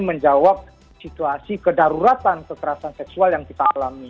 menjawab situasi kedaruratan kekerasan seksual yang kita alami